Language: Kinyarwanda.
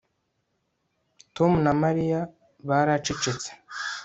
Tom na Mariya baracecetse